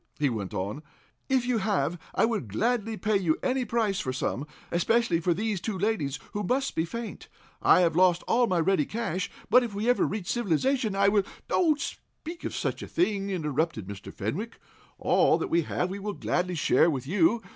he went on. "If you have, I will gladly pay you any price for some, especially for these two ladies, who must be faint. I have lost all my ready cash, but if we ever reach civilization, I will " "Don't speak of such a thing as pay," interrupted Mr. Fenwick. "All that we have we'll gladly share with you.